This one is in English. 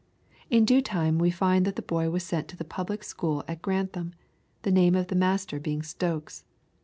In due time we find that the boy was sent to the public school at Grantham, the name of the master being Stokes.